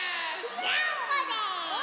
ジャンコです！